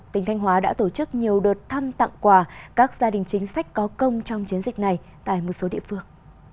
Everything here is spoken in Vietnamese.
tỉnh thanh hóa đã tổ chức nhiều đợt thăm tặng quà các gia đình chính sách có công trong chiến dịch này tại một số địa phương